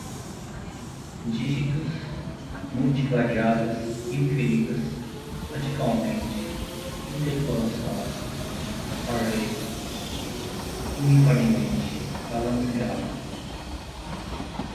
dígitos, multi-variadas, inferidas, radicalmente, interpolação, array, uniformemente, balanceada